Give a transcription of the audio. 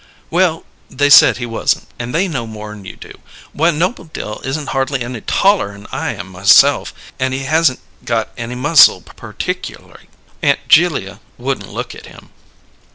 "Well, they said he wasn't, and they know more'n you do. Why, Noble Dill isn't hardly any taller'n I am myself, and he hasn't got any muscle partickyourly. Aunt Julia wouldn't look at him!"